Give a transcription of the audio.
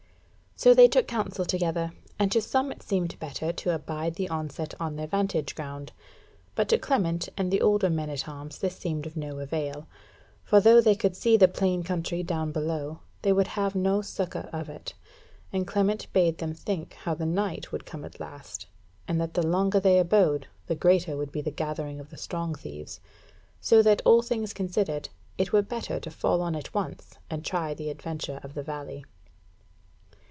So they took counsel together, and to some it seemed better to abide the onset on their vantage ground. But to Clement and the older men at arms this seemed of no avail. For though they could see the plain country down below, they would have no succour of it; and Clement bade them think how the night would come at last, and that the longer they abode, the greater would be the gathering of the Strong thieves; so that, all things considered, it were better to fall on at once and to try the adventure of the valley.